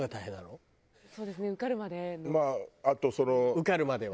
受かるまでの。